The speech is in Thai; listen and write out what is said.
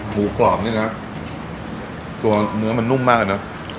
หมูกรอบนี่หนะตัวเนื้อมันนุ่มมากหรอข้า